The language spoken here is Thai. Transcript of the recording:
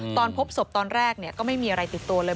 ตอนพบศพตอนแรกก็ไม่มีอะไรติดตัวเลย